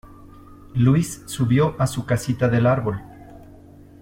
Luis subió a su casita del árbol